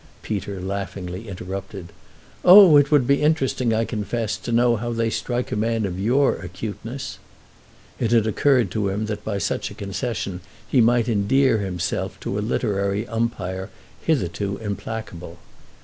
Peter laughingly interrupted. "Oh, it would be interesting, I confess, to know how they strike a man of your acuteness!" It had occurred to him that by such a concession he might endear himself to a literary umpire hitherto implacable.